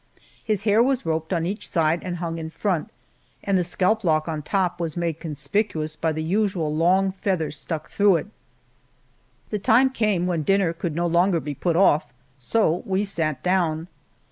His hair was roped on each side and hung in front, and the scalp lock on top was made conspicuous by the usual long feather stuck through it. The time came when dinner could no longer be put off, so we sat down.